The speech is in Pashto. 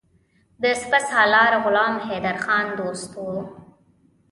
د سپه سالار غلام حیدرخان دوست وو.